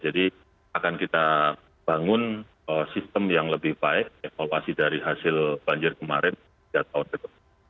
jadi akan kita bangun sistem yang lebih baik evaluasi dari hasil banjir kemarin tiga tahun depan